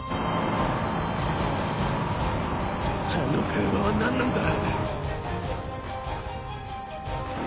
あの車は何なんだ！